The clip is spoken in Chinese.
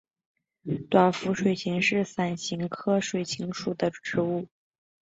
短辐水芹是伞形科水芹属的植物。